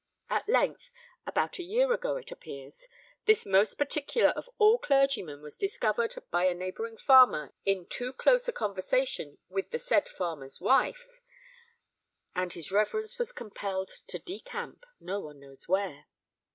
At length, about a year ago, it appears, this most particular of all clergymen was discovered by a neighbouring farmer in too close a conversation with the said farmer's wife; and his reverence was compelled to decamp, no one knows where.